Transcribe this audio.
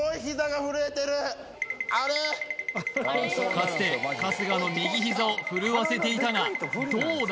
かつて春日の右ひざを震わせていたがどうだ？